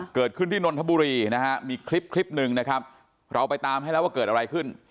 เกิดขึ้นที่นรภบุรีมีคลิปนึงเราไปตามให้แล้วว่าเกิดอะไรขึ้น